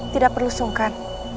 tidak perlu sungkan